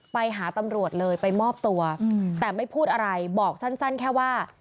ไปหาตำรวจเลยไปมอบตัวแต่ไม่พูดอะไรบอกสั้นแค่ว่า